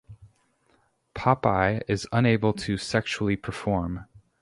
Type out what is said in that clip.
Popeye is unable to sexually perform.